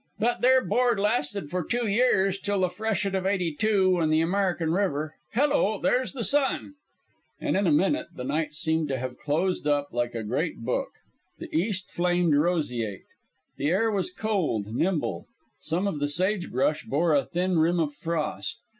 "That there board lasted for two years, till the freshet of '82, when the American River Hello, there's the sun!" All in a minute the night seemed to have closed up like a great book. The East flamed roseate. The air was cold, nimble. Some of the sage brush bore a thin rim of frost.